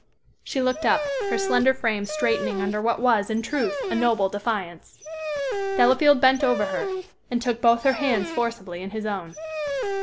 She looked up, her slender frame straightening under what was, in truth, a noble defiance. Delafield bent over her and took both her hands forcibly in his own.